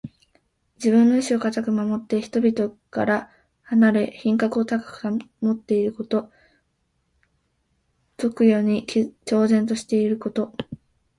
自分の意志をかたく守って、人々から離れ品格を高く保っていること。俗世に超然としていること。